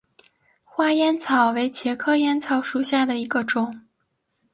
花烟草为茄科烟草属下的一个种。